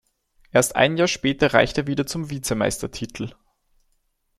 Erst ein Jahr später reicht er wieder zum Vizemeistertitel.